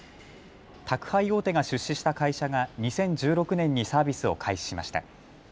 宅配大手が出資した会社が２０１６年にサービスを開始しました。